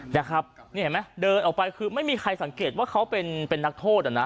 นะครับนี่เห็นไหมเดินออกไปคือไม่มีใครสังเกตว่าเขาเป็นนักโทษอ่ะนะ